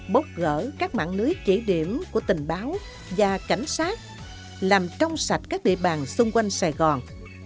bóc gỡ các mạng lưới chỉ điểm của tình báo và cảnh sát làm trong sạch các địa bàn xung quanh sài gòn